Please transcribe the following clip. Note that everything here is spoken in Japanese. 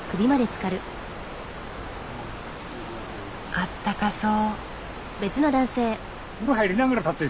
あったかそう。